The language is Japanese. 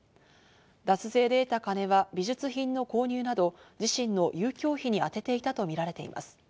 脱税で得た金は美術品の購入など自身の遊興費にあてていたとみられています。